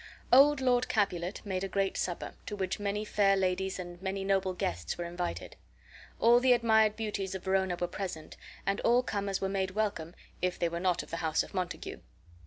Old Lord Capulet made a great supper, to which many fair ladies and many noble guests were invited. All the admired beauties of Verona were present, and all comers were made welcome if they were not of the house of Montague.